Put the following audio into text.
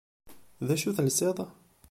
D acu i telsiḍ?